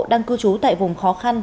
đang cư trú tại vùng khó khăn